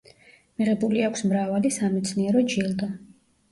მიღებული აქვს მრავალი სამეცნიერო ჯილდო.